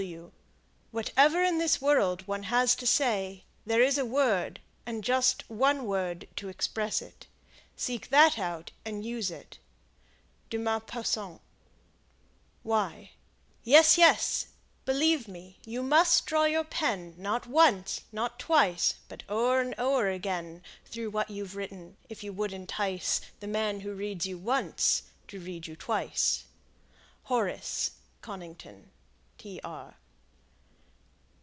Whatever in this world one has to say, there is a word, and just one word, to express it. Seek that out and use it. De Maupassant. Yes, yes; believe me, you must draw your pen Not once, nor twice, but o'er and o'er again Through what you've written, if you would entice The man who reads you once to read you twice. Horace (Conington, Tr.)